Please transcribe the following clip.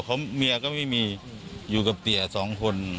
เขาเมียก็ไม่มีอยู่กับเตี๋ย๒คน